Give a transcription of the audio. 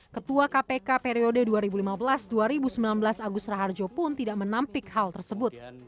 ketua kpk periode dua ribu lima belas dua ribu sembilan belas agus raharjo pun tidak menampik hal tersebut